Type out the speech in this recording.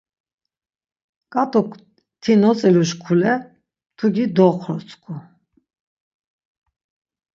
Ǩat̆uk ti notziluşkule mtugi doxrotzǩu.